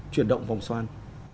chuyển động vòng xoan